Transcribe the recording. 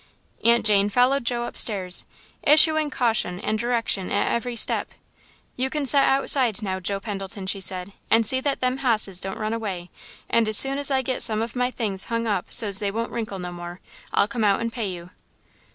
Aunt Jane followed Joe upstairs, issuing caution and direction at every step. "You can set outside now, Joe Pendleton," she said, "and see that them hosses don't run away, and as soon as I get some of my things hung up so's they won't wrinkle no more, I'll come out and pay you."